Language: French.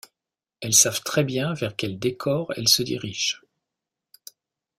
Elles savent très bien vers quel décor elles se dirigent.